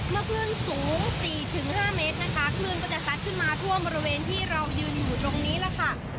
คลื่นสูง๔๕เมตรนะคะคลื่นก็จะซัดขึ้นมาท่วมบริเวณที่เรายืนอยู่ตรงนี้แหละค่ะ